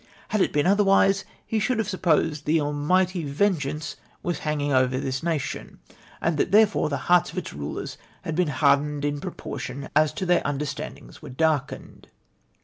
Had it been otherwise, he should have supposed the Almighty venyeance icas hanging over t/tis nation, and that tJierefore the hearts of its riders had been hardened in pfrojjortion as their understdndings were darkened.'"